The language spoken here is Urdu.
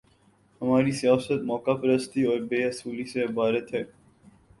ہماری سیاست موقع پرستی اور بے اصولی سے عبارت ہے۔